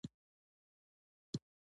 دروغ د ټولنې زوال دی.